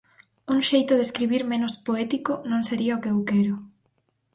Un xeito de escribir menos "poético" non sería o que eu quero.